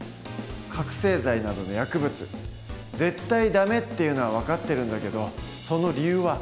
覚醒剤などの薬物「絶対ダメ」っていうのは分かってるんだけどその理由は？